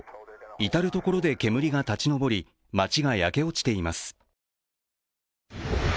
至る所で煙が立ち上り町が焼け落ちています。